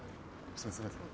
すいません。